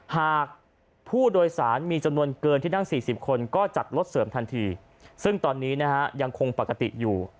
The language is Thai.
หากผู้โดยสารมีจำนวนเกินที่นั่ง๔๐คนก็จัดรถเสริมทันทีซึ่งตอนนี้นะฮะยังคงปกติอยู่